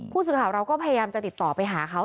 ผู้สื่อข่าวเราก็พยายามจะติดต่อไปหาเขา